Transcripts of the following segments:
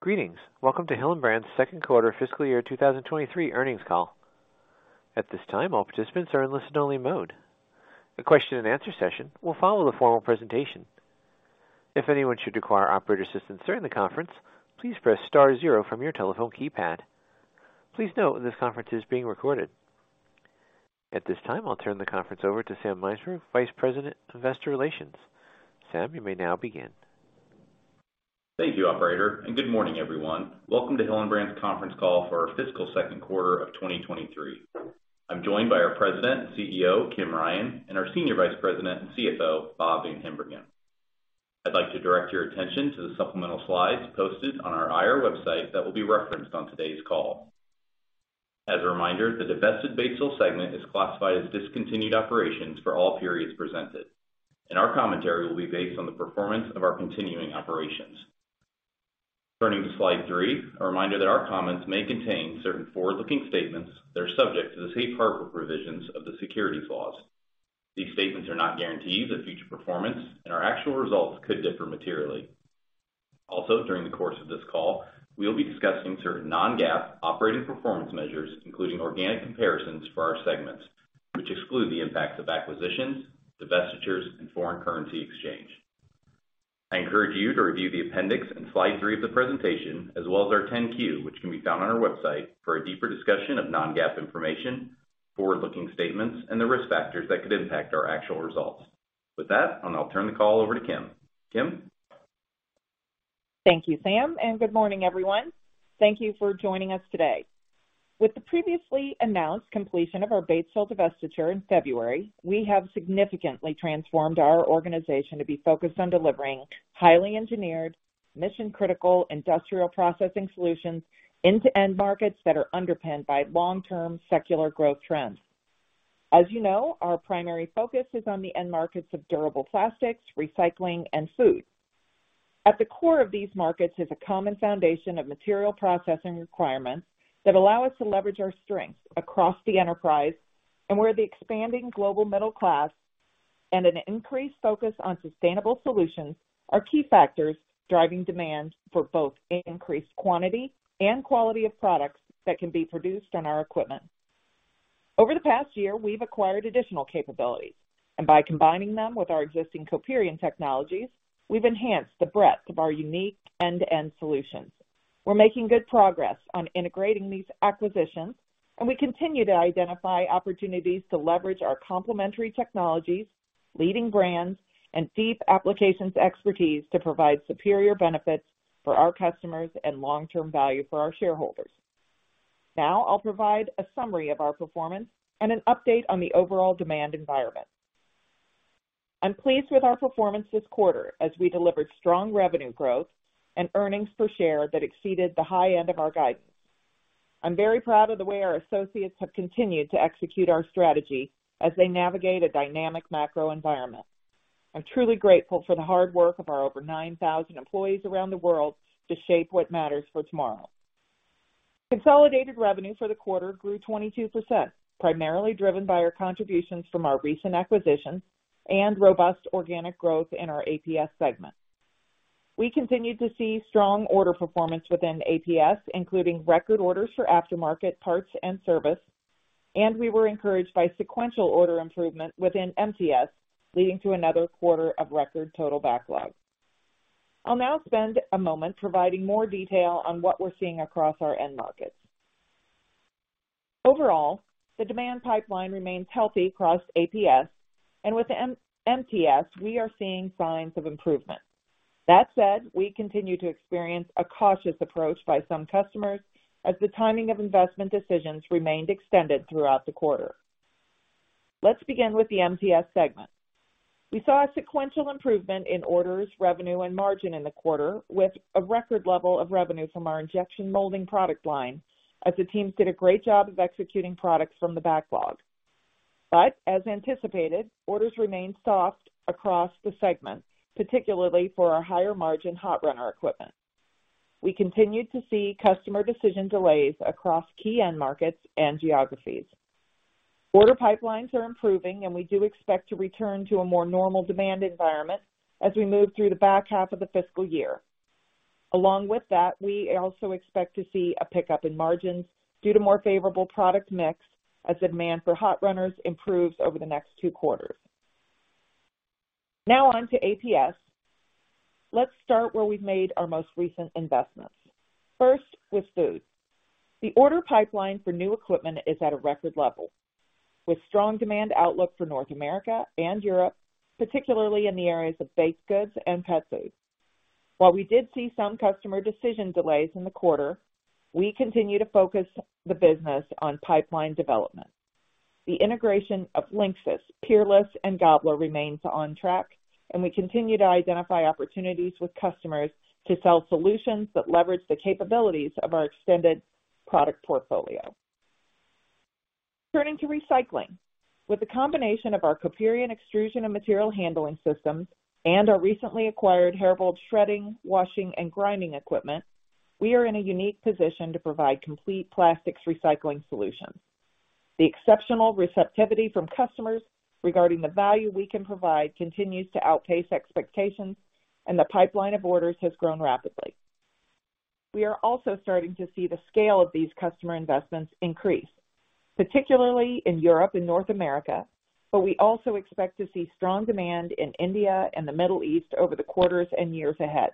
Greetings. Welcome to Hillenbrand's Second Quarter Fiscal Year 2023 Earnings Call. At this time, all participants are in listen-only mode. A question and answer session will follow the formal presentation. If anyone should require operator assistance during the conference, please press star zero from your telephone keypad. Please note this conference is being recorded. At this time, I'll turn the conference over to Sam Mynsberge, Vice President of Investor Relations. Sam, you may now begin. Thank you, Operator. Good morning, everyone. Welcome to Hillenbrand's Conference Call for our Fiscal Second Quarter of 2023. I'm joined by our President and CEO, Kim Ryan, and our Senior Vice President and CFO, Bob VanHimbergen. I'd like to direct your attention to the supplemental slides posted on our IR website that will be referenced on today's call. As a reminder, the divested Batesville segment is classified as discontinued operations for all periods presented. Our commentary will be based on the performance of our continuing operations. Turning to slide three, a reminder that our comments may contain certain forward-looking statements that are subject to the safe harbor provisions of the securities laws. These statements are not guarantees of future performance. Our actual results could differ materially. During the course of this call, we will be discussing certain non-GAAP operating performance measures, including organic comparisons for our segments, which exclude the impacts of acquisitions, divestitures, and foreign currency exchange. I encourage you to review the appendix on slide three of the presentation, as well as our 10-Q, which can be found on our website, for a deeper discussion of non-GAAP information, forward-looking statements, and the risk factors that could impact our actual results. With that, I'll now turn the call over to Kim. Kim? Thank you, Sam, and good morning, everyone. Thank you for joining us today. With the previously announced completion of our Batesville divestiture in February, we have significantly transformed our organization to be focused on delivering highly engineered, mission-critical industrial processing solutions into end markets that are underpinned by long-term secular growth trends. As you know, our primary focus is on the end markets of durable plastics, recycling, and food. At the core of these markets is a common foundation of material processing requirements that allow us to leverage our strengths across the enterprise and where the expanding global middle class and an increased focus on sustainable solutions are key factors driving demand for both increased quantity and quality of products that can be produced on our equipment. Over the past year, we've acquired additional capabilities, and by combining them with our existing Coperion technologies, we've enhanced the breadth of our unique end-to-end solutions. We're making good progress on integrating these acquisitions, and we continue to identify opportunities to leverage our complementary technologies, leading brands, and deep applications expertise to provide superior benefits for our customers and long-term value for our shareholders. Now I'll provide a summary of our performance and an update on the overall demand environment. I'm pleased with our performance this quarter as we delivered strong revenue growth and earnings per share that exceeded the high end of our guidance. I'm very proud of the way our associates have continued to execute our strategy as they navigate a dynamic macro environment. I'm truly grateful for the hard work of our over 9,000 employees around the world to shape what matters for tomorrow. Consolidated revenue for the quarter grew 22%, primarily driven by our contributions from our recent acquisitions and robust organic growth in our APS segment. We continued to see strong order performance within APS, including record orders for aftermarket parts and service, and we were encouraged by sequential order improvement within MTS, leading to another quarter of record total backlog. I'll now spend a moment providing more detail on what we're seeing across our end markets. Overall, the demand pipeline remains healthy across APS, and with MTS, we are seeing signs of improvement. That said, we continue to experience a cautious approach by some customers as the timing of investment decisions remained extended throughout the quarter. Let's begin with the MTS segment. We saw a sequential improvement in orders, revenue, and margin in the quarter with a record level of revenue from our injection molding product line as the teams did a great job of executing products from the backlog. As anticipated, orders remained soft across the segment, particularly for our higher margin hot runner equipment. We continued to see customer decision delays across key end markets and geographies. Order pipelines are improving, and we do expect to return to a more normal demand environment as we move through the back half of the fiscal year. Along with that, we also expect to see a pickup in margins due to more favorable product mix as demand for hot runners improves over the next two quarters. On to APS. Let's start where we've made our most recent investments. First, with food. The order pipeline for new equipment is at a record level with strong demand outlook for North America and Europe, particularly in the areas of baked goods and pet food. While we did see some customer decision delays in the quarter, we continue to focus the business on pipeline development. The integration of LINXIS, Peerless, and Gabler remains on track, and we continue to identify opportunities with customers to sell solutions that leverage the capabilities of our extended product portfolio. Turning to recycling. With the combination of our Coperion extrusion and material handling systems and our recently acquired Herbold shredding, washing, and grinding equipment, we are in a unique position to provide complete plastics recycling solutions. The exceptional receptivity from customers regarding the value we can provide continues to outpace expectations, and the pipeline of orders has grown rapidly. We are also starting to see the scale of these customer investments increase, particularly in Europe and North America, but we also expect to see strong demand in and the Middle East over the quarters and years ahead.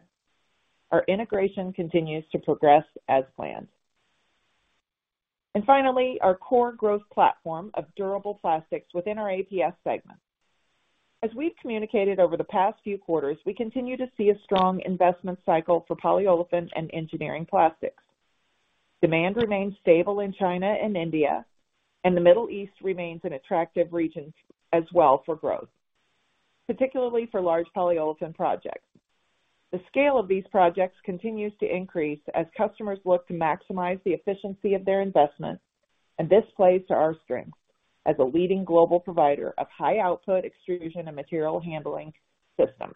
Our integration continues to progress as planned. Finally, our core growth platform of durable plastics within our APS segment. As we've communicated over the past few quarters, we continue to see a strong investment cycle for polyolefin and engineering plastics. Demand remains stable in China and India, and the Middle East remains an attractive region as well for growth, particularly for large polyolefin projects. The scale of these projects continues to increase as customers look to maximize the efficiency of their investments, and this plays to our strengths as a leading global provider of high-output extrusion and material handling systems.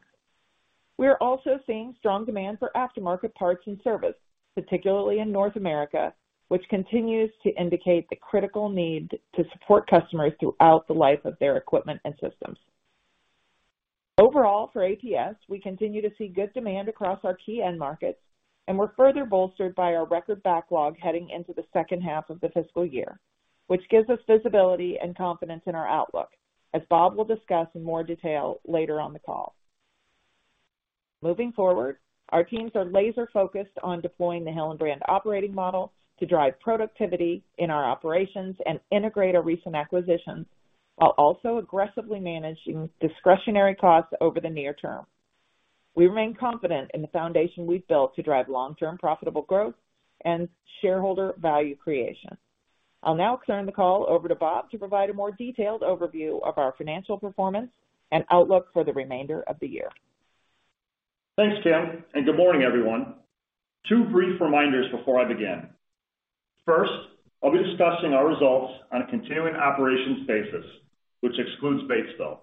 We are also seeing strong demand for aftermarket parts and service, particularly in North America, which continues to indicate the critical need to support customers throughout the life of their equipment and systems. Overall, for APS, we continue to see good demand across our key end markets, and we're further bolstered by our record backlog heading into the second half of the fiscal year, which gives us visibility and confidence in our outlook, as Bob will discuss in more detail later on the call. Moving forward, our teams are laser-focused on deploying the Hillenbrand Operating Model to drive productivity in our operations and integrate our recent acquisitions, while also aggressively managing discretionary costs over the near term. We remain confident in the foundation we've built to drive long-term profitable growth and shareholder value creation. I'll now turn the call over to Bob to provide a more detailed overview of our financial performance and outlook for the remainder of the year. Thanks, Kim, good morning, everyone. Two brief reminders before I begin. First, I'll be discussing our results on a continuing operations basis, which excludes Batesville.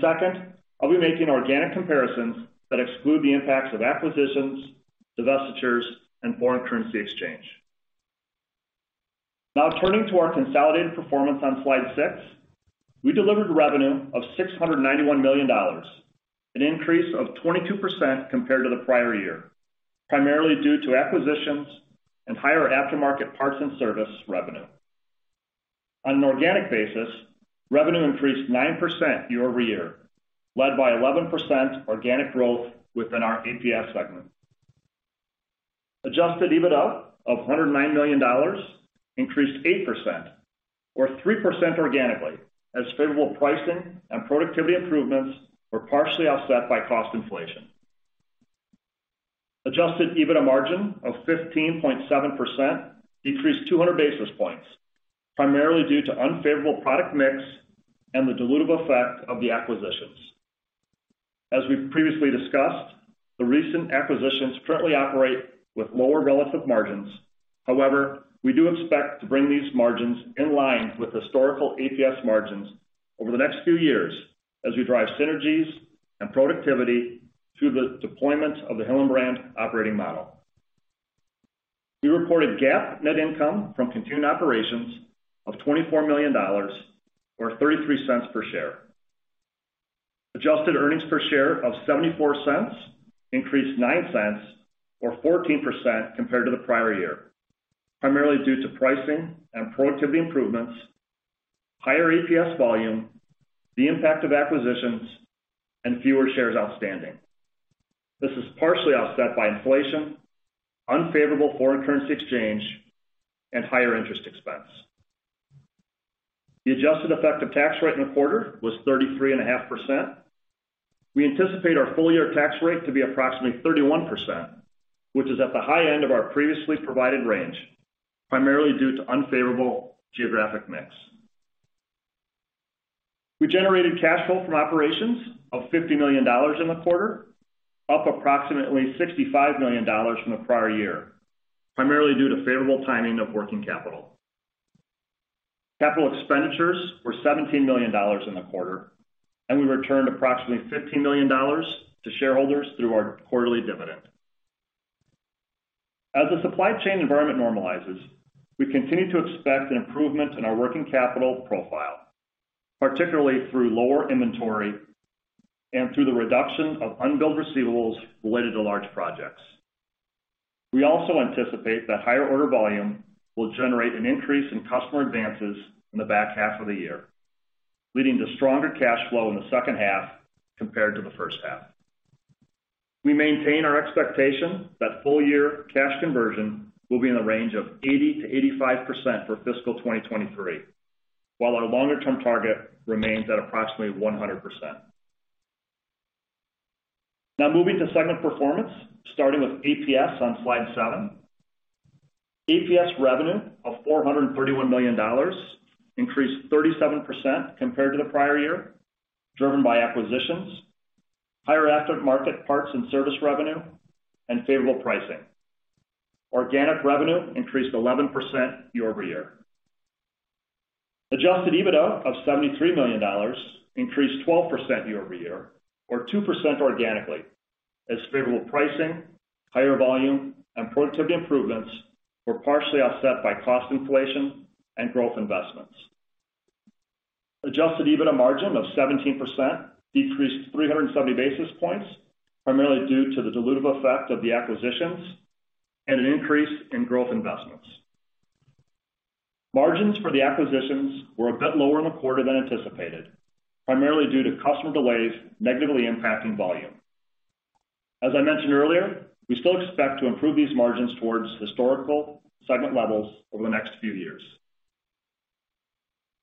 Second, I'll be making organic comparisons that exclude the impacts of acquisitions, divestitures, and foreign currency exchange. Now turning to our consolidated performance on slide six, we delivered revenue of $691 million, an increase of 22% compared to the prior year, primarily due to acquisitions and higher aftermarket parts and service revenue. On an organic basis, revenue increased 9% year-over-year, led by 11% organic growth within our APS segment. Adjusted EBITDA of $109 million increased 8% or 3% organically as favorable pricing and productivity improvements were partially offset by cost inflation. Adjusted EBITDA margin of 15.7% decreased 200 basis points, primarily due to unfavorable product mix and the dilutive effect of the acquisitions. As we previously discussed, the recent acquisitions currently operate with lower relative margins. However, we do expect to bring these margins in line with historical APS margins over the next few years as we drive synergies and productivity through the deployment of the Hillenbrand Operating Model. We reported GAAP net income from continued operations of $24 million or $0.33 per share. Adjusted earnings per share of $0.74 increased $0.09 or 14% compared to the prior year, primarily due to pricing and productivity improvements, higher APS volume, the impact of acquisitions, and fewer shares outstanding. This is partially offset by inflation, unfavorable foreign currency exchange, and higher interest expense. The adjusted effective tax rate in the quarter was 33.5%. We anticipate our full year tax rate to be approximately 31%, which is at the high end of our previously provided range, primarily due to unfavorable geographic mix. We generated cash flow from operations of $50 million in the quarter, up approximately $65 million from the prior year, primarily due to favorable timing of working capital. Capital expenditures were $17 million in the quarter. We returned approximately $15 million to shareholders through our quarterly dividend. As the supply chain environment normalizes, we continue to expect an improvement in our working capital profile, particularly through lower inventory and through the reduction of unbilled receivables related to large projects. We also anticipate that higher order volume will generate an increase in customer advances in the back half of the year, leading to stronger cash flow in the second half compared to the first half. We maintain our expectation that full-year cash conversion will be in the range of 80%-85% for fiscal 2023, while our longer-term target remains at approximately 100%. Now moving to segment performance, starting with APS on slide seven. APS revenue of $431 million increased 37% compared to the prior year, driven by acquisitions, higher after market parts and service revenue, and favorable pricing. Organic revenue increased 11% year-over-year. Adjusted EBITDA of $73 million increased 12% year-over-year or 2% organically. As favorable pricing, higher volume and productivity improvements were partially offset by cost inflation and growth investments. Adjusted EBITDA margin of 17% decreased 370 basis points, primarily due to the dilutive effect of the acquisitions and an increase in growth investments. Margins for the acquisitions were a bit lower in the quarter than anticipated, primarily due to customer delays negatively impacting volume. As I mentioned earlier, we still expect to improve these margins towards historical segment levels over the next few years.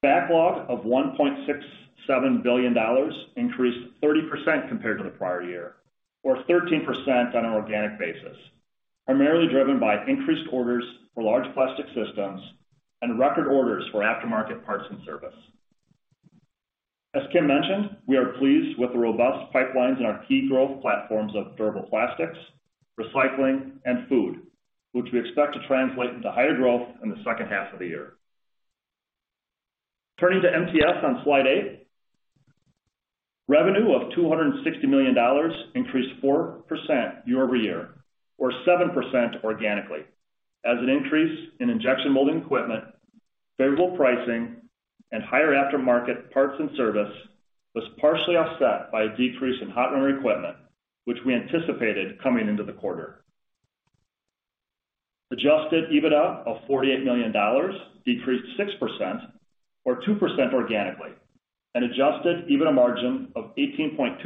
Backlog of $1.67 billion increased 30% compared to the prior year or 13% on an organic basis, primarily driven by increased orders for large plastic systems and record orders for aftermarket parts and service. As Kim mentioned, we are pleased with the robust pipelines in our key growth platforms of durable plastics, recycling, and food, which we expect to translate into higher growth in the second half of the year. Turning to MTS on slide eight. Revenue of $260 million increased 4% year-over-year or 7% organically as an increase in injection molding equipment, favorable pricing, and higher aftermarket parts and service was partially offset by a decrease in hot runner equipment, which we anticipated coming into the quarter. Adjusted EBITDA of $48 million decreased 6% or 2% organically, and adjusted EBITDA margin of 18.2%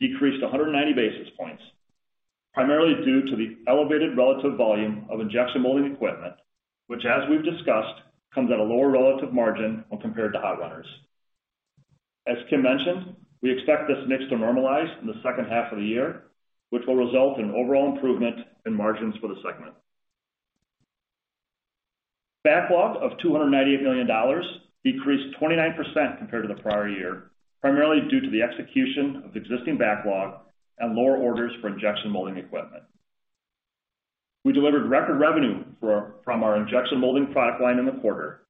decreased 190 basis points, primarily due to the elevated relative volume of injection molding equipment, which as we've discussed, comes at a lower relative margin when compared to hot runners. As Kim mentioned, we expect this mix to normalize in the second half of the year, which will result in overall improvement in margins for the segment. Backlog of $298 million decreased 29% compared to the prior year, primarily due to the execution of existing backlog and lower orders for injection molding equipment. We delivered record revenue from our injection molding product line in the quarter,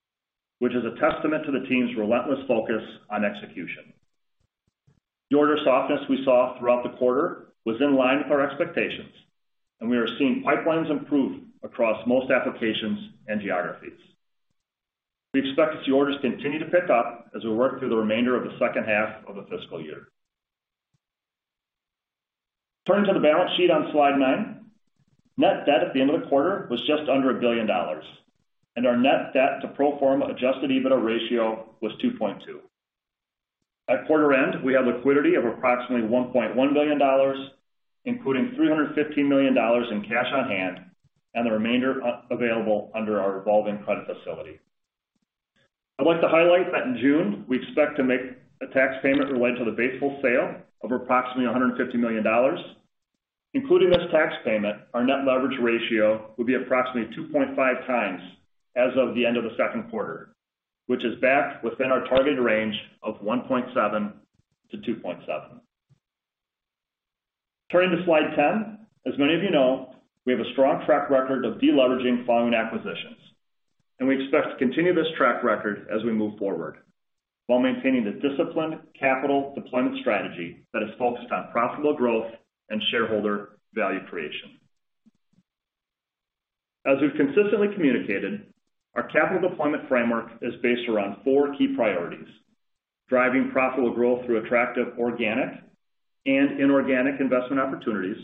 which is a testament to the team's relentless focus on execution. The order softness we saw throughout the quarter was in line with our expectations. We are seeing pipelines improve across most applications and geographies. We expect to see orders continue to pick up as we work through the remainder of the second half of the fiscal year. Turning to the balance sheet on slide nine. Net debt at the end of the quarter was just under a billion dollars. Our net debt to pro forma adjusted EBITDA ratio was 2.2. At quarter end, we had liquidity of approximately $1.1 billion, including $315 million in cash on hand and the remainder available under our revolving credit facility. I'd like to highlight that in June, we expect to make a tax payment related to the Batesville sale of approximately $150 million. Including this tax payment, our net leverage ratio will be approximately 2.5x as of the end of the second quarter, which is back within our targeted range of 1.7-2.7. Turning to slide 10. As many of you know, we have a strong track record of de-leveraging following acquisitions, and we expect to continue this track record as we move forward while maintaining the disciplined capital deployment strategy that is focused on profitable growth and shareholder value creation. As we've consistently communicated, our capital deployment framework is based around four key priorities: driving profitable growth through attractive organic and inorganic investment opportunities,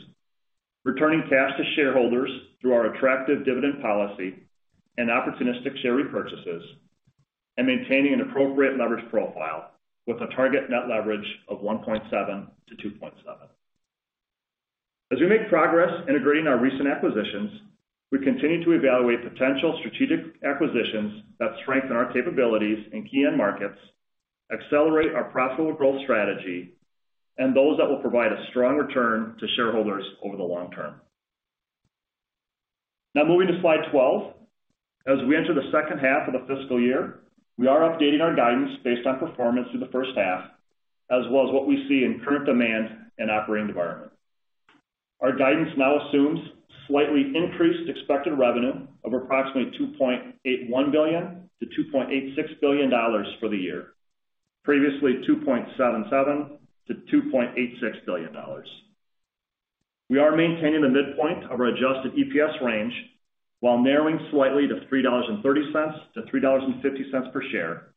returning cash to shareholders through our attractive dividend policy and opportunistic share repurchases, and maintaining an appropriate leverage profile with a target net leverage of 1.7-2.7. As we make progress integrating our recent acquisitions, we continue to evaluate potential strategic acquisitions that strengthen our capabilities in key end markets, accelerate our profitable growth strategy, and those that will provide a strong return to shareholders over the long term. Now moving to slide 12. As we enter the second half of the fiscal year, we are updating our guidance based on performance through the first half, as well as what we see in current demand and operating environment. Our guidance now assumes slightly increased expected revenue of approximately $2.81 billion-$2.86 billion for the year, previously $2.77 billion-$2.86 billion. We are maintaining the midpoint of our adjusted EPS range while narrowing slightly to $3.30-$3.50 per share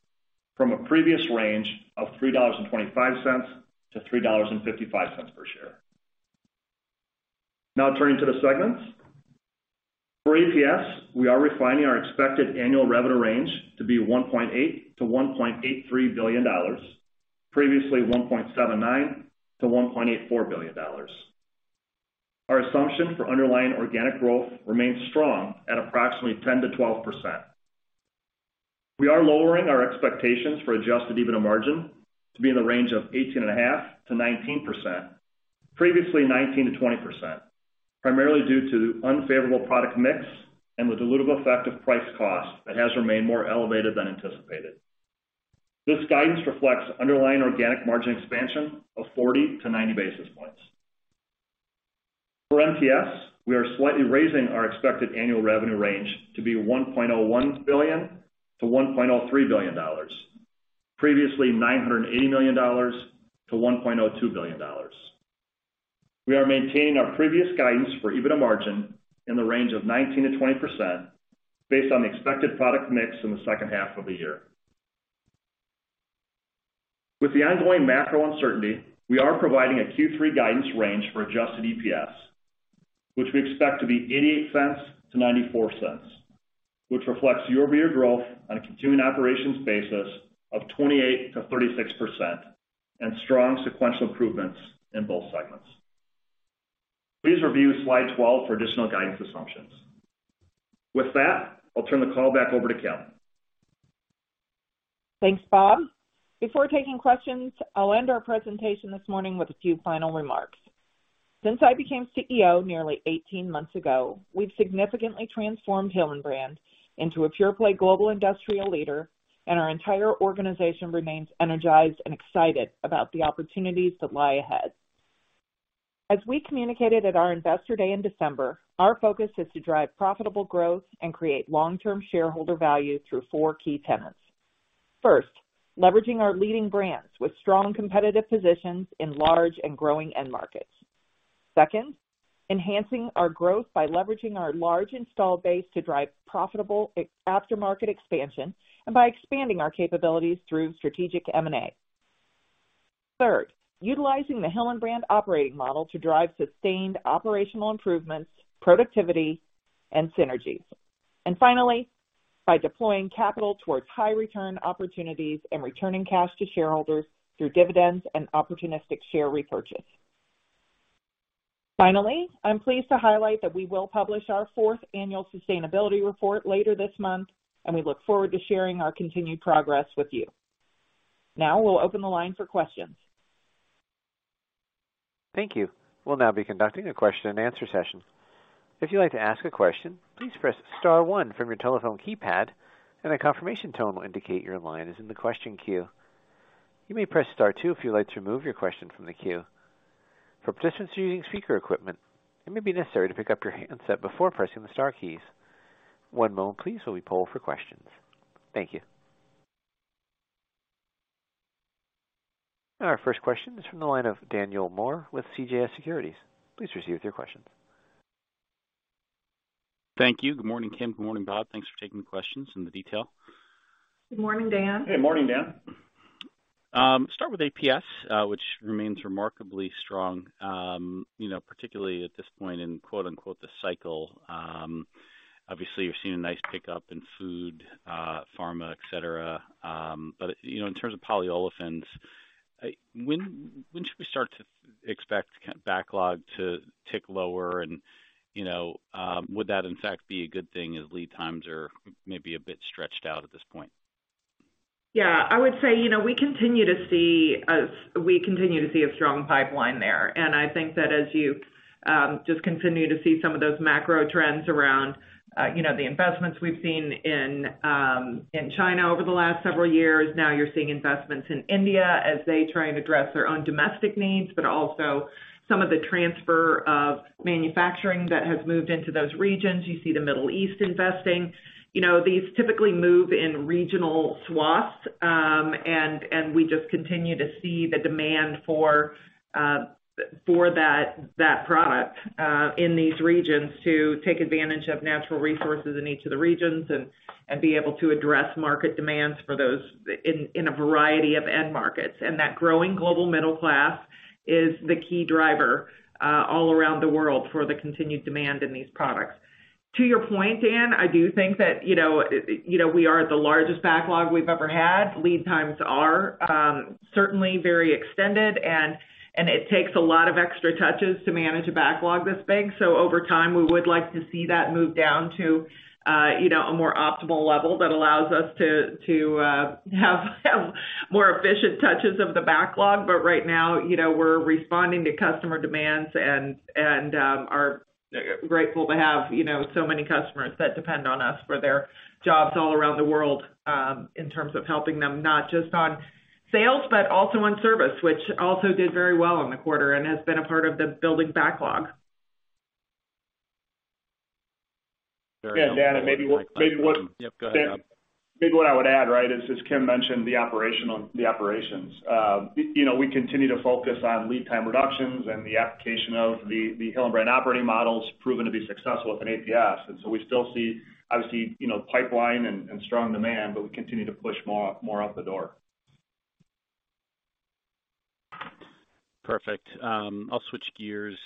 from a previous range of $3.25-$3.55 per share. Turning to the segments. For APS, we are refining our expected annual revenue range to be $1.8 billion-$1.83 billion, previously $1.79 billion-$1.84 billion. Our assumption for underlying organic growth remains strong at approximately 10%-12%. We are lowering our expectations for adjusted EBITDA margin to be in the range of 18.5%-19%, previously 19%-20%, primarily due to unfavorable product mix and the dilutive effect of price/cost that has remained more elevated than anticipated. This guidance reflects underlying organic margin expansion of 40 basis points to 90 basis points. For MTS, we are slightly raising our expected annual revenue range to be $1.01 billion-$1.03 billion, previously $980 million-$1.02 billion. We are maintaining our previous guidance for EBITDA margin in the range of 19%-20% based on the expected product mix in the second half of the year. With the ongoing macro uncertainty, we are providing a Q3 guidance range for adjusted EPS, which we expect to be $0.88-$0.94, which reflects year-over-year growth on a continuing operations basis of 28%-36% and strong sequential improvements in both segments. Please review slide 12 for additional guidance assumptions. I'll turn the call back over to Kim. Thanks, Bob. Before taking questions, I'll end our presentation this morning with a few final remarks. Since I became CEO nearly 18 months ago, we've significantly transformed Hillenbrand into a pure-play global industrial leader. Our entire organization remains energized and excited about the opportunities that lie ahead. As we communicated at our Investor Day in December, our focus is to drive profitable growth and create long-term shareholder value through four key tenets. First, leveraging our leading brands with strong competitive positions in large and growing end markets. Second, enhancing our growth by leveraging our large installed base to drive profitable after-market expansion and by expanding our capabilities through strategic M&A. Third, utilizing the Hillenbrand Operating Model to drive sustained operational improvements, productivity, and synergies. Finally, by deploying capital towards high return opportunities and returning cash to shareholders through dividends and opportunistic share repurchase. Finally, I'm pleased to highlight that we will publish our fourth annual sustainability report later this month, and we look forward to sharing our continued progress with you. Now, we'll open the line for questions. Thank you. We'll now be conducting a question-and-answer session. If you'd like to ask a question, please press star one from your telephone keypad and a confirmation tone will indicate your line is in the question queue. You may press star two if you'd like to remove your question from the queue. For participants who are using speaker equipment, it may be necessary to pick up your handset before pressing the star keys. One moment please while we poll for questions. Thank you. Our first question is from the line of Daniel Moore with CJS Securities. Please proceed with your question. Thank you. Good morning, Kim. Good morning, Bob. Thanks for taking the questions and the detail. Good morning, Dan. Hey, morning, Dan. Start with APS, which remains remarkably strong, you know, particularly at this point in quote-unquote, the cycle. Obviously, you're seeing a nice pickup in food, pharma, et cetera. You know, in terms of polyolefins, when should we start to expect kind of backlog to tick lower and, you know, would that in fact be a good thing as lead times are maybe a bit stretched out at this point? I would say, you know, we continue to see a strong pipeline there. I think that as you just continue to see some of those macro trends around, you know, the investments we've seen in China over the last several years. Now you're seeing investments in India as they try and address their own domestic needs, but also some of the transfer of manufacturing that has moved into those regions. You see the Middle East investing. These typically move in regional swaths, and we just continue to see the demand for that product in these regions to take advantage of natural resources in each of the regions and be able to address market demands for those in a variety of end markets. That growing global middle class is the key driver, all around the world for the continued demand in these products. To your point, Dan, I do think that, you know, we are at the largest backlog we've ever had. Lead times are certainly very extended and it takes a lot of extra touches to manage a backlog this big. Over time, we would like to see that move down to, you know, a more optimal level that allows us to have more efficient touches of the backlog. Right now, you know, we're responding to customer demands and are grateful to have, you know, so many customers that depend on us for their jobs all around the world, in terms of helping them, not just on sales, but also on service, which also did very well in the quarter and has been a part of the building backlog. Yeah, Dan, maybe what. Yep, go ahead, Bob. Maybe what I would add, right, is, as Kim mentioned, the operations. You know, we continue to focus on lead time reductions and the application of the Hillenbrand Operating Models proven to be successful within APS. We still see, obviously, you know, pipeline and strong demand, but we continue to push more out the door. Perfect. I'll switch gears.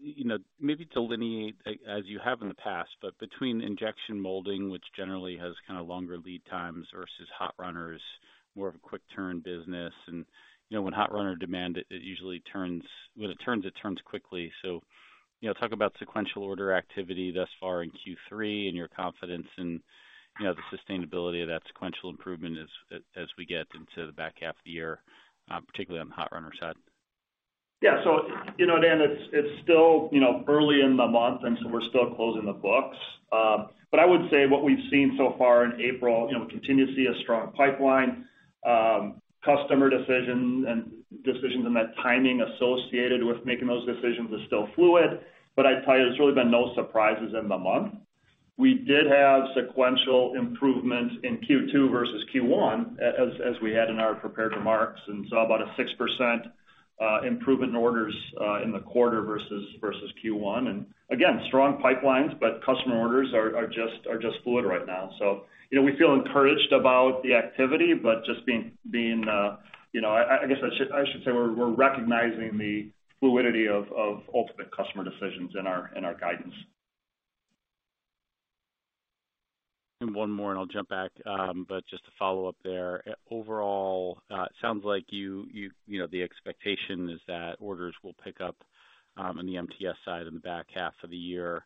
You know, maybe delineate, as you have in the past, but between injection molding, which generally has kind of longer lead times versus hot runners, more of a quick turn business. You know, when hot runner demand, it usually turns when it turns, it turns quickly. You know, talk about sequential order activity thus far in Q3 and your confidence in, you know, the sustainability of that sequential improvement as we get into the back half of the year, particularly on the hot runner side. Yeah. you know, Dan, it's still, you know, early in the month, and so we're still closing the books. I would say what we've seen so far in April, you know, continue to see a strong pipeline. Customer decision and decisions and the timing associated with making those decisions are still fluid. I'd tell you, there's really been no surprises in the month. We did have sequential improvements in Q2 versus Q1, as we had in our prepared remarks. Saw about a 6% improvement in orders in the quarter versus Q1. Again, strong pipelines, but customer orders are just fluid right now. You know, we feel encouraged about the activity, but just being, you know... I guess I should say we're recognizing the fluidity of ultimate customer decisions in our guidance. One more, and I'll jump back. Just to follow up there. Overall, it sounds like you know, the expectation is that orders will pick up on the MTS side in the back half of the year.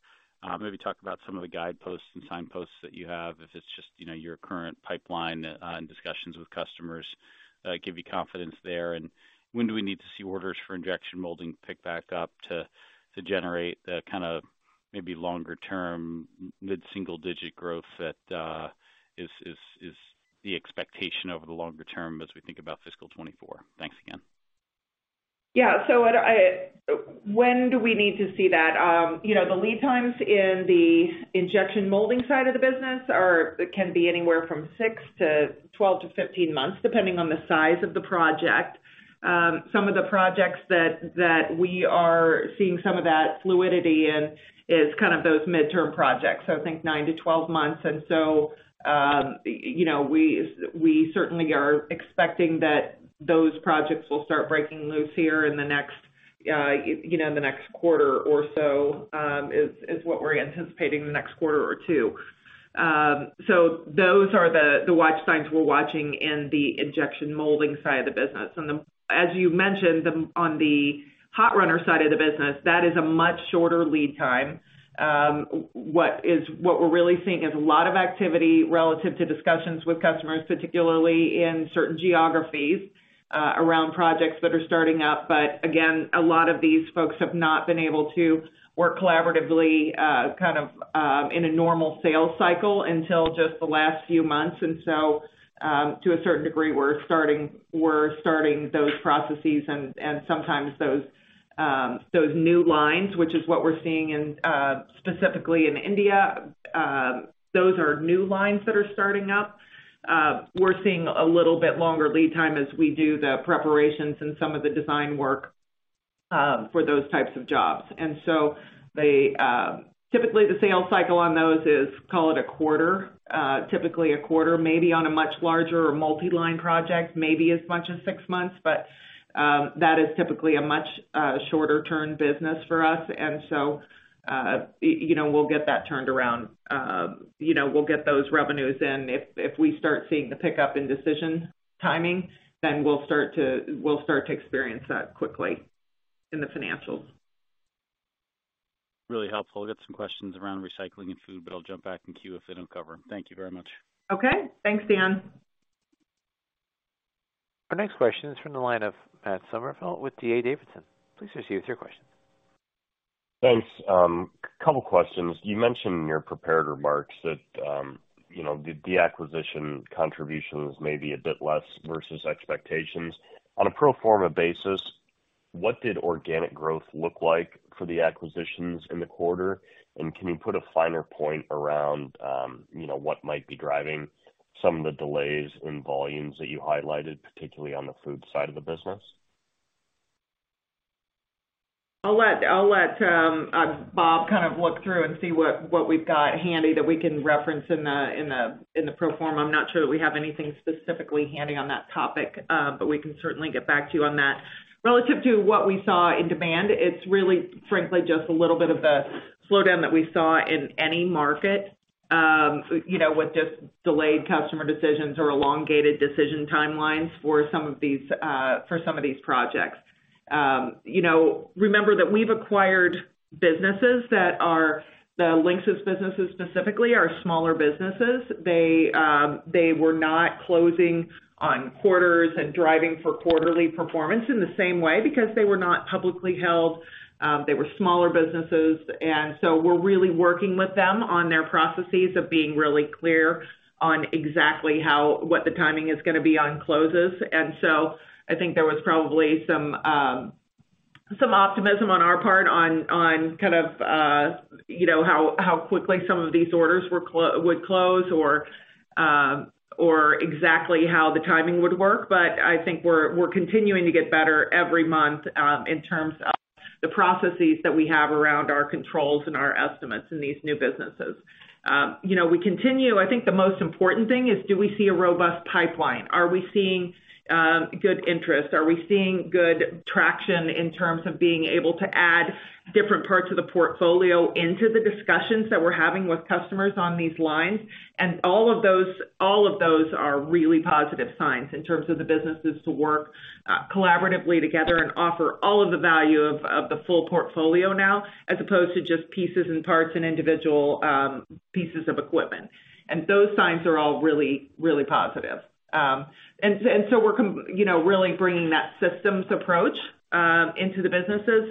Maybe talk about some of the guideposts and signposts that you have, if it's just, you know, your current pipeline, and discussions with customers that give you confidence there. When do we need to see orders for injection molding pick back up to generate the kind of maybe longer term mid-single-digit growth that is the expectation over the longer term as we think about fiscal 2024? Thanks again. Yeah. I When do we need to see that? you know, the lead times in the injection molding side of the business are can be anywhere from six to 12 to 15 months, depending on the size of the project. Some of the projects that we are seeing some of that fluidity in is kind of those midterm projects, so I think nine to 12 months. you know, we certainly are expecting that those projects will start breaking loose here in the next, you know, in the next quarter or so, is what we're anticipating, the next quarter or two. Those are the watch signs we're watching in the injection molding side of the business. As you mentioned, on the hot runner side of the business, that is a much shorter lead time. What we're really seeing is a lot of activity relative to discussions with customers, particularly in certain geographies, around projects that are starting up. Again, a lot of these folks have not been able to work collaboratively, kind of in a normal sales cycle until just the last few months. To a certain degree, we're starting those processes and sometimes those new lines, which is what we're seeing in specifically in India, those are new lines that are starting up. We're seeing a little bit longer lead time as we do the preparations and some of the design work, for those types of jobs. They. Typically, the sales cycle on those is, call it a quarter, typically a quarter. Maybe on a much larger multi-line project, maybe as much as six months. That is typically a much shorter term business for us. You know, we'll get that turned around. You know, we'll get those revenues in. If we start seeing the pickup in decision timing, then we'll start to experience that quickly in the financials. Really helpful. I've got some questions around recycling and food, but I'll jump back in queue if they don't cover them. Thank you very much. Okay. Thanks, Dan. Our next question is from the line of Matt Summerville with D.A. Davidson. Please proceed with your question. Thanks. A couple questions. You mentioned in your prepared remarks that, you know, the acquisition contribution was maybe a bit less versus expectations. On a pro forma basis, what did organic growth look like for the acquisitions in the quarter? Can you put a finer point around, you know, what might be driving some of the delays in volumes that you highlighted, particularly on the food side of the business? I'll let Bob kind of look through and see what we've got handy that we can reference in the pro forma. I'm not sure that we have anything specifically handy on that topic, but we can certainly get back to you on that. Relative to what we saw in demand, it's really, frankly, just a little bit of the slowdown that we saw in any market, you know, with just delayed customer decisions or elongated decision timelines for some of these projects. You know, remember that we've acquired businesses. The LINXIS businesses specifically are smaller businesses. They were not closing on quarters and driving for quarterly performance in the same way because they were not publicly held. They were smaller businesses. we're really working with them on their processes of being really clear on exactly what the timing is gonna be on closes. I think there was probably some optimism on our part on kind of, you know, how quickly some of these orders would close or exactly how the timing would work. I think we're continuing to get better every month in terms of the processes that we have around our controls and our estimates in these new businesses. you know, we continue. I think the most important thing is: Do we see a robust pipeline? Are we seeing good interest? Are we seeing good traction in terms of being able to add different parts of the portfolio into the discussions that we're having with customers on these lines? All of those are really positive signs in terms of the businesses to work collaboratively together and offer all of the value of the full portfolio now, as opposed to just pieces and parts and individual pieces of equipment. Those signs are all really positive. You know, really bringing that systems approach into the businesses.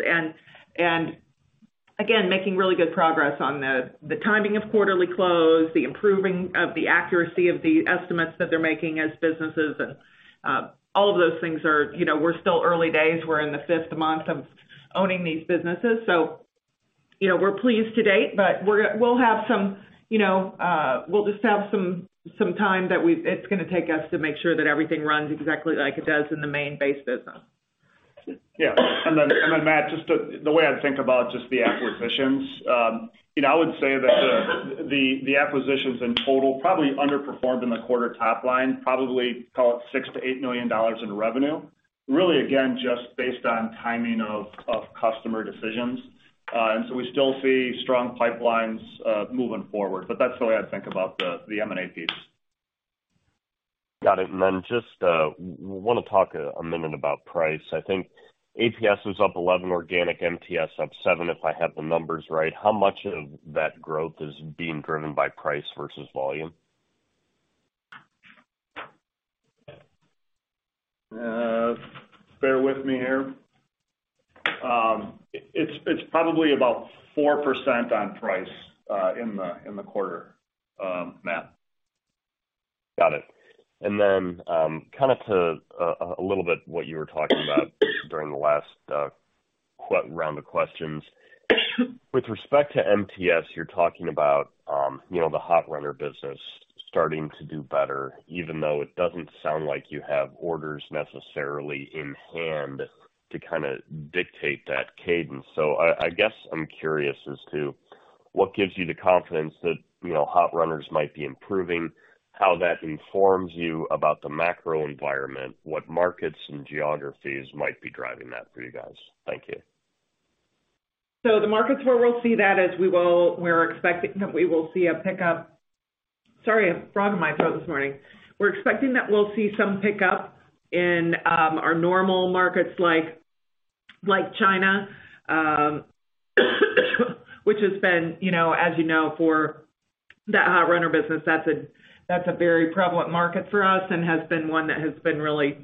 Making really good progress on the timing of quarterly close, the improving of the accuracy of the estimates that they're making as businesses. All of those things are, you know, we're still early days. We're in the fifth month of owning these businesses. You know, we're pleased to date. We'll have some, you know, we'll just have some time it's gonna take us to make sure that everything runs exactly like it does in the main base business. Yeah. Matt, just the way I think about just the acquisitions, you know, I would say that the acquisitions in total probably underperformed in the quarter top line, probably call it $6 million-$8 million in revenue. Really, again, just based on timing of customer decisions. We still see strong pipelines moving forward. That's the way I think about the M&A piece. Got it. Just want to talk a minute about price. I think APS was up 11%, organic MTS up 7%, if I have the numbers right. How much of that growth is being driven by price versus volume? Bear with me here. It's probably about 4% on price, in the quarter, Matt. Got it. Kind of to a little bit what you were talking about during the last round of questions. With respect to MTS, you're talking about, you know, the hot runner business starting to do better, even though it doesn't sound like you have orders necessarily in hand to kinda dictate that cadence. I guess I'm curious as to what gives you the confidence that, you know, hot runners might be improving, how that informs you about the macro environment, what markets and geographies might be driving that for you guys? Thank you. The markets where we're expecting that we will see a pickup. Sorry, a frog in my throat this morning. We're expecting that we'll see some pickup in our normal markets like China, which has been, you know, as you know, for the hot runner business, that's a very prevalent market for us and has been one that has been really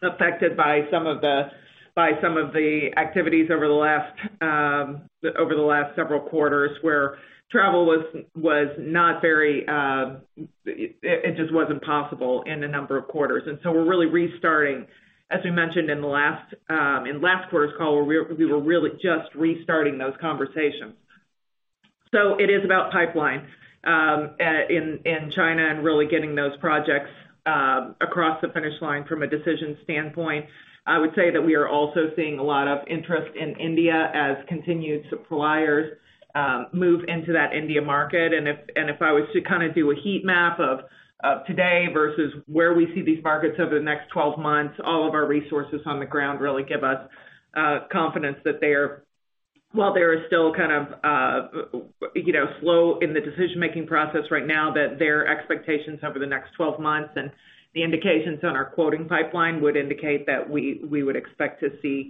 affected by some of the activities over the last several quarters where travel was not very, it just wasn't possible in a number of quarters. We're really restarting, as we mentioned in the last in last quarter's call, where we were really just restarting those conversations. It is about pipeline, in China and really getting those projects across the finish line from a decision standpoint. I would say that we are also seeing a lot of interest in India as continued suppliers move into that India market. If I was to kind of do a heat map of today versus where we see these markets over the next 12 months, all of our resources on the ground really give us confidence that they are while there is still kind of, you know, slow in the decision-making process right now, that their expectations over the next 12 months and the indications on our quoting pipeline would indicate that we would expect to see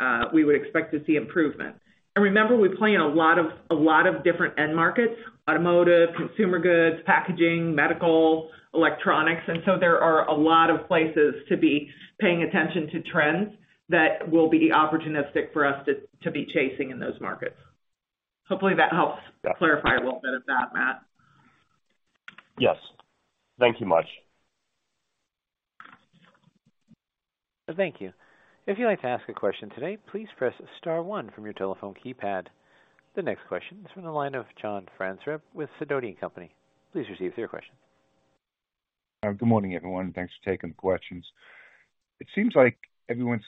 improvement. Remember, we play in a lot of different end markets, automotive, consumer goods, packaging, medical, electronics. There are a lot of places to be paying attention to trends that will be opportunistic for us to be chasing in those markets. Hopefully that helps clarify a little bit of that, Matt. Yes. Thank you much. Thank you. If you'd like to ask a question today, please press star one from your telephone keypad. The next question is from the line of John Franzreb with Sidoti & Company. Please proceed with your question. Good morning, everyone. Thanks for taking the questions. It seems like everyone's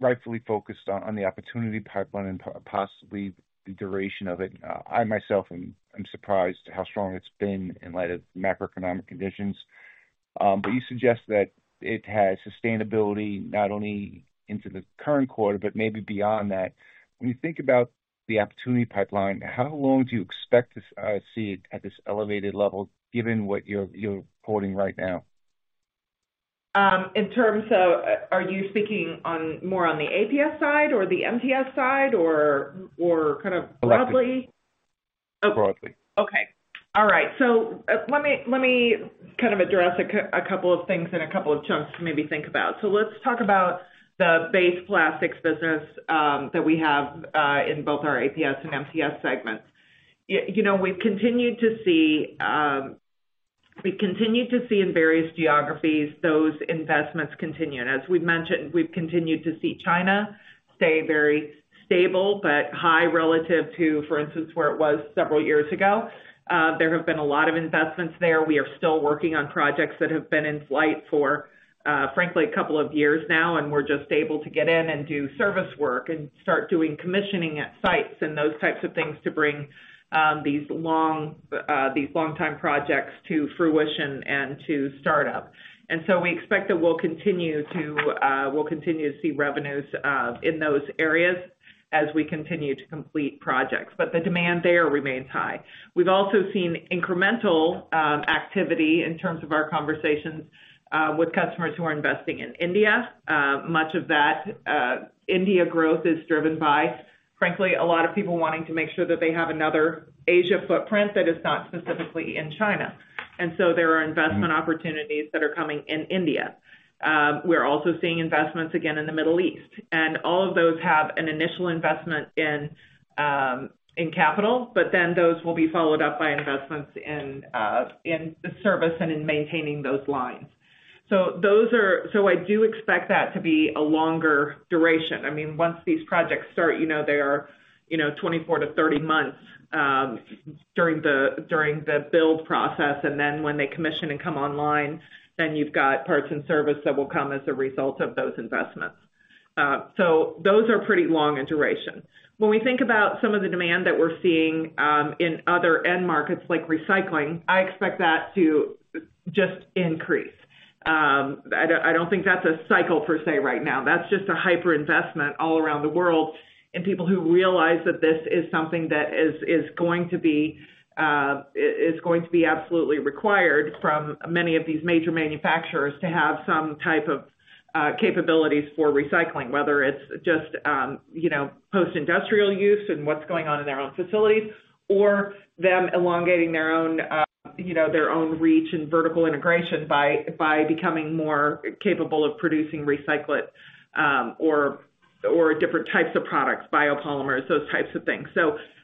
rightfully focused on the opportunity pipeline and possibly the duration of it. I myself am, I'm surprised how strong it's been in light of macroeconomic conditions. You suggest that it has sustainability not only into the current quarter but maybe beyond that. When you think about the opportunity pipeline, how long do you expect to see it at this elevated level, given what you're quoting right now? In terms of, are you speaking on more on the APS side or the MTS side or kind of broadly? Broadly. Okay. All right. Let me kind of address a couple of things in a couple of chunks to maybe think about. Let's talk about the base plastics business that we have in both our APS and MTS segments. You know, we've continued to see in various geographies, those investments continue. As we've mentioned, we've continued to see China stay very stable but high relative to, for instance, where it was several years ago. There have been a lot of investments there. We are still working on projects that have been in flight for, frankly, a couple of years now, and we're just able to get in and do service work and start doing commissioning at sites and those types of things to bring these long, these long-time projects to fruition and to start up. We expect that we'll continue to see revenues in those areas as we continue to complete projects. The demand there remains high. We've also seen incremental activity in terms of our conversations with customers who are investing in India. Much of that India growth is driven by, frankly, a lot of people wanting to make sure that they have another Asia footprint that is not specifically in China. There are investment opportunities that are coming in India. We're also seeing investments again in the Middle East. All of those have an initial investment in capital. Those will be followed up by investments in the service and in maintaining those lines. I do expect that to be a longer duration. I mean, once these projects start, you know, they are, you know, 24-30 months during the build process. When they commission and come online, then you've got parts and service that will come as a result of those investments. Those are pretty long in duration. When we think about some of the demand that we're seeing in other end markets like recycling, I expect that to just increase. I don't think that's a cycle per se right now. That's just a hyper investment all around the world and people who realize that this is something that is going to be absolutely required from many of these major manufacturers to have some type of capabilities for recycling. Whether it's just, you know, post-industrial use and what's going on in their own facilities, or them elongating their own, you know, their own reach and vertical integration by becoming more capable of producing recyclates, or different types of products, biopolymers, those types of things.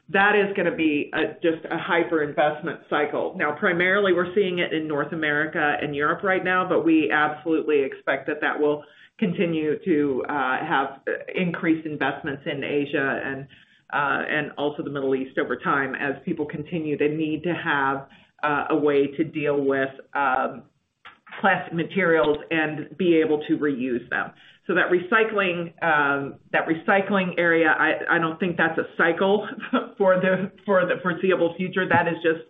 That is gonna be a, just a hyper investment cycle. Primarily, we're seeing it in North America and Europe right now. We absolutely expect that that will continue to have increased investments in Asia and also the Middle East over time as people continue to need to have a way to deal with plastic materials and be able to reuse them. That recycling, that recycling area, I don't think that's a cycle for the foreseeable future. That is just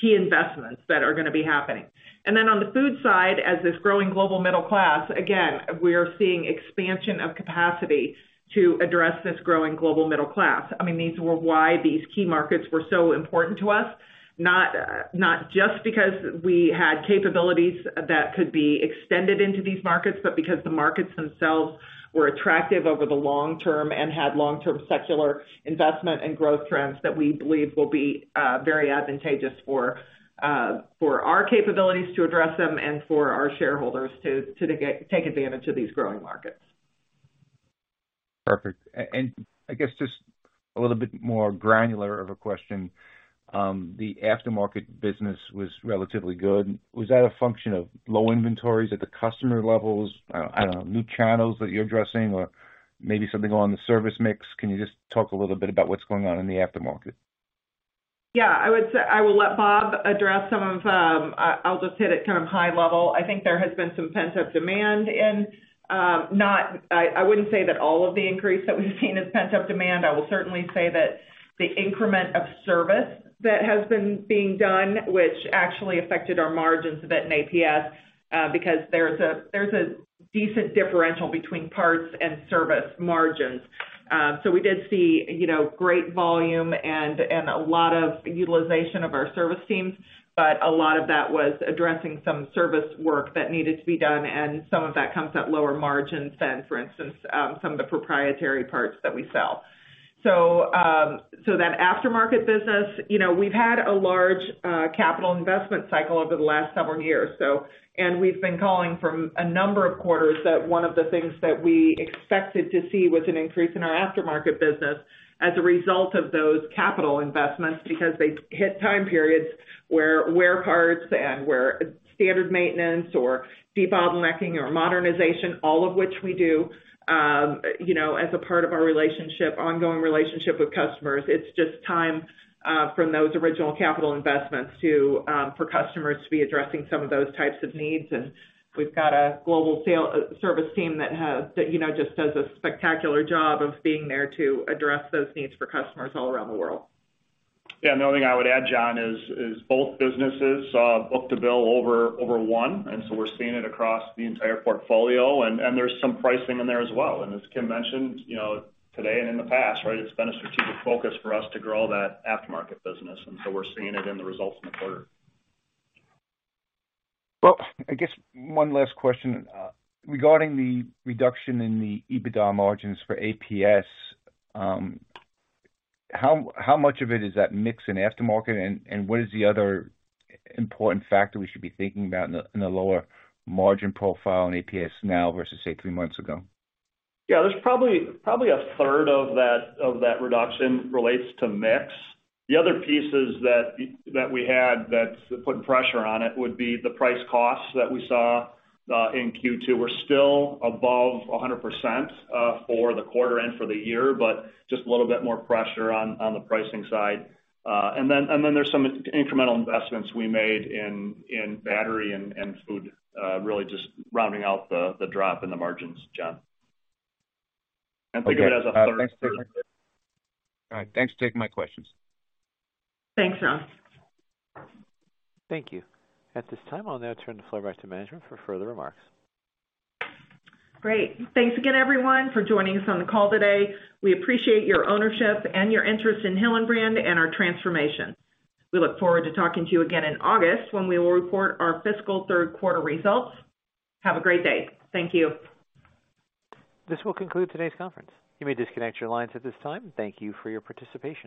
key investments that are gonna be happening. On the food side, as this growing global middle class, again, we are seeing expansion of capacity to address this growing global middle class. I mean, these were why these key markets were so important to us, not just because we had capabilities that could be extended into these markets, but because the markets themselves were attractive over the long term and had long-term secular investment and growth trends that we believe will be very advantageous for our capabilities to address them and for our shareholders to take advantage of these growing markets. Perfect. I guess just a little bit more granular of a question. The aftermarket business was relatively good. Was that a function of low inventories at the customer levels, I don't know, new channels that you're addressing or maybe something on the service mix? Can you just talk a little bit about what's going on in the aftermarket? Yeah, I will let Bob address some of. I'll just hit it kind of high level. I think there has been some pent-up demand and I wouldn't say that all of the increase that we've seen is pent-up demand. I will certainly say that the increment of service that has been being done, which actually affected our margins a bit in APS, because there's a decent differential between parts and service margins. We did see, you know, great volume and a lot of utilization of our service teams, but a lot of that was addressing some service work that needed to be done, and some of that comes at lower margins than, for instance, some of the proprietary parts that we sell. That aftermarket business, you know, we've had a large capital investment cycle over the last several years. We've been calling from a number of quarters that one of the things that we expected to see was an increase in our aftermarket business as a result of those capital investments because they hit time periods where wear parts and where standard maintenance or debottlenecking or modernization, all of which we do, you know, as a part of our relationship, ongoing relationship with customers. It's just time from those original capital investments to for customers to be addressing some of those types of needs. We've got a global service team that has, you know, just does a spectacular job of being there to address those needs for customers all around the world. Yeah, the only thing I would add, John, is both businesses, book-to-bill over one. So we're seeing it across the entire portfolio and there's some pricing in there as well. As Kim mentioned, you know, today and in the past, right, it's been a strategic focus for us to grow that aftermarket business. So we're seeing it in the results in the quarter. Well, I guess one last question. Regarding the reduction in the EBITDA margins for APS, how much of it is that mix in aftermarket and what is the other important factor we should be thinking about in the lower margin profile in APS now versus, say, three months ago? Yeah, there's probably a 1/3 of that reduction relates to mix. The other pieces that we had that's putting pressure on it would be the price/cost that we saw in Q2. We're still above 100% for the quarter and for the year, but just a little bit more pressure on the pricing side. There's some incremental investments we made in battery and food, really just rounding out the drop in the margins, John. Okay. Think of it as a third. All right. Thanks for taking my questions. Thanks, John. Thank you. At this time, I'll now turn the floor back to management for further remarks. Great. Thanks again, everyone, for joining us on the call today. We appreciate your ownership and your interest in Hillenbrand and our transformation. We look forward to talking to you again in August when we will report our fiscal third quarter results. Have a great day. Thank you. This will conclude today's conference. You may disconnect your lines at this time. Thank you for your participation.